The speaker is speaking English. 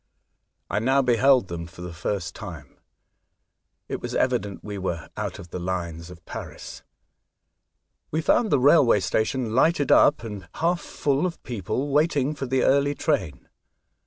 I now beheld them for the first time. It was evident we were out of the lines of Paris. We found the railway station lighted up, and half full of people waiting for the early train.